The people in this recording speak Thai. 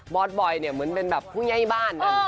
อสบอยเนี่ยเหมือนเป็นแบบผู้ใหญ่บ้าน